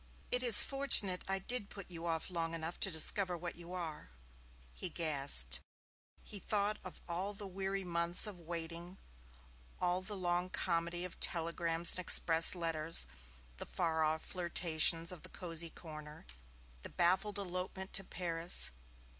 'It is fortunate I did put you off long enough to discover what you are.' He gasped. He thought of all the weary months of waiting, all the long comedy of telegrams and express letters, the far off flirtations of the cosy corner, the baffled elopement to Paris.